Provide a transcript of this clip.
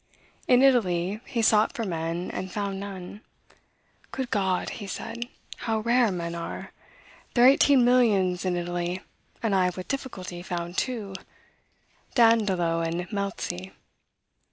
In Italy, he sought for men, and found none. "Good God!" he said, "how rare men are! There are eighteen millions in Italy, and I have with difficulty found two, Dandolo and Melzi."